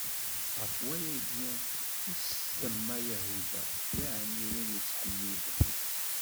Ɣef wayagi i s-tsemma Yahuda, yeɛni win yettḥemmiden.